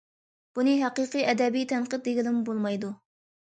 بۇنى ھەقىقىي ئەدەبىي تەنقىد دېگىلىمۇ بولمايدۇ.